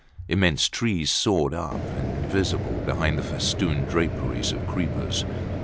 Immense trees soared up, invisible behind the festooned draperies of creepers.